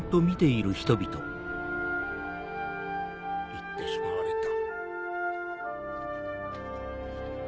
行ってしまわれた。